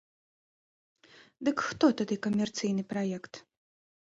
Дык хто тады камерцыйны праект?